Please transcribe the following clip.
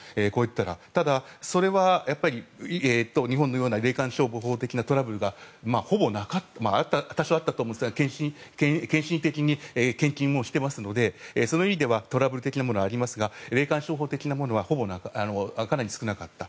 ただ、それは日本のような霊感商法的なトラブルが多少はあったと思うんですが献身的に献金をしてますのでその意味ではトラブル的なものはありますが霊感商法的なものはかなり少なかった。